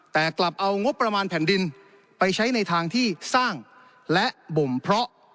แต่กลับเอางบประมาณแผ่นดินไปใช้ในทางที่สร้างและบ่มเพราะ